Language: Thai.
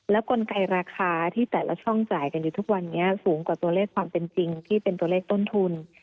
กลไกราคาที่แต่ละช่องจ่ายกันอยู่ทุกวันนี้สูงกว่าตัวเลขความเป็นจริงที่เป็นตัวเลขต้นทุน